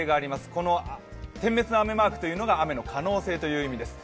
この点滅の雨マークというのが雨の可能性という意味です。